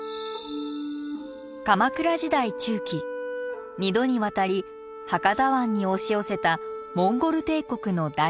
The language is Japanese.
鎌倉時代中期２度にわたり博多湾に押し寄せたモンゴル帝国の大軍勢。